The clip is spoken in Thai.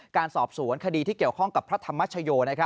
การสอบสวนคดีที่เกี่ยวข้องกับพระธรรมชโย